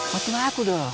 makanya aku dong